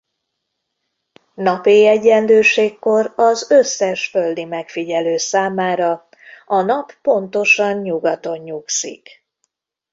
Napéjegyenlőségkor az összes földi megfigyelő számára a Nap pontosan nyugaton nyugszik.